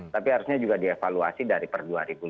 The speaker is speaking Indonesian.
tapi harusnya juga dievaluasi dari per dua ribu dua puluh